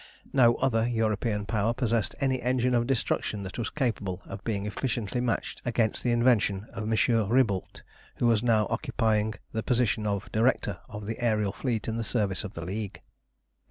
No other European Power possessed any engine of destruction that was capable of being efficiently matched against the invention of M. Riboult, who was now occupying the position of Director of the aërial fleet in the service of the League.